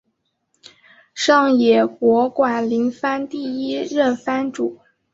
上野国馆林藩第一任藩主。